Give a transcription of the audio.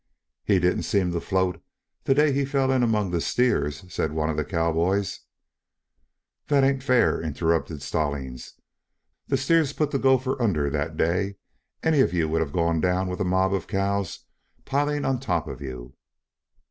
"He didn't seem to float the day he fell in among the steers," said one of the cowboys. "That isn't fair," interrupted Stallings. "The steers put the gopher under, that day. Any of you would have gone down with a mob of cows piling on top of you."